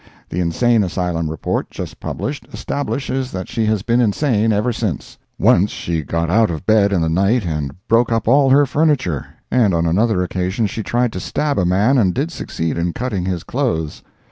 The Insane Asylum report, just published, establishes that she has been insane ever since. Once she got out of bed in the night and broke up all her furniture, and on another occasion she tried to stab a man and did succeed in cutting his clothes.